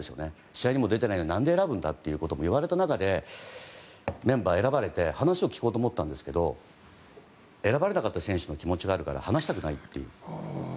試合にも出てないのになんで選ばれるだと言われる中でメンバー、選ばれて話を聞こうと思ったんですが選ばれなかった選手の気持ちがあるから、話したくないと。